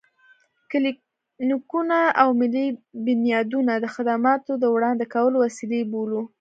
کلينيکونه او ملي بنيادونه د خدماتو د وړاندې کولو وسيلې بولو.